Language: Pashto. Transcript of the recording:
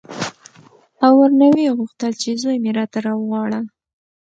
او ورنه ویې غوښتل چې زوی مې راته راوغواړه.